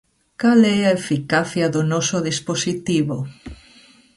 ¿Cal é a eficacia do noso dispositivo?